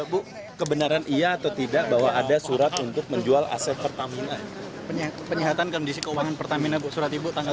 bu kebenaran iya atau tidak bahwa ada surat untuk menjual aset pertamina